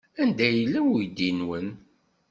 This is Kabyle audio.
Anda yella uydi-nwen?